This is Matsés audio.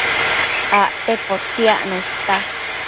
Acte potiacno ista